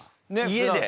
家で。